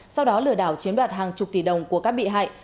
sau đó lừa đảo chiếm đoạt hàng chục tỷ đồng của các bị hại